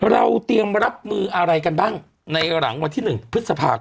เราเตรียมรับมืออะไรกันบ้างในหลังวันที่๑พฤษภาคม